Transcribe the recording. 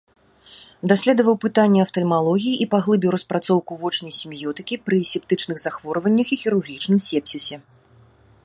Даследаваў пытанні афтальмалогіі і паглыбіў распрацоўку вочнай семіётыкі пры септычных захворваннях і хірургічным сепсісе.